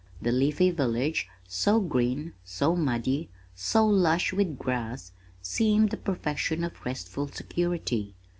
The leafy village, so green, so muddy, so lush with grass, seemed the perfection of restful security.